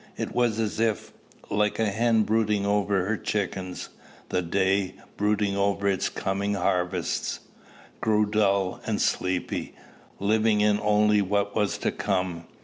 It was as if like a hen brooding over her chickens the day, brooding over its coming harvests, grew dull and sleepy, living only in what was to come.